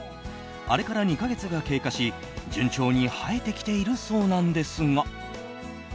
あれから２か月が経過し、順調に生えてきているそうなんですが。